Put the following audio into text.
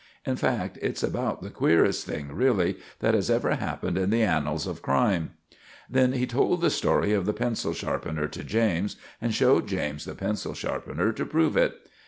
In fact, it's about the queerest thing, really, that has ever happened in the annals of crime." Then he told the story of the pencil sharpener to James, and showed James the pencil sharpener to prove it.